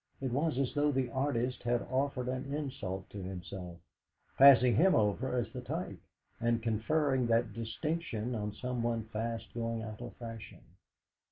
It was as though the artist had offered an insult to himself, passing him over as the type, and conferring that distinction on someone fast going out of fashion.